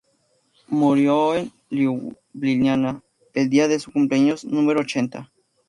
Murió en Liubliana el día de su cumpleaños número ochenta.